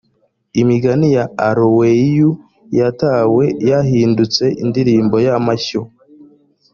imigi ya aroweriu yatawe yahindutse indiri y amashyo